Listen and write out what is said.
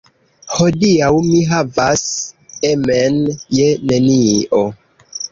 Hodiaŭ mi havas emen je nenio.